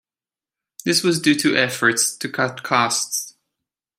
This was due to efforts to cut costs.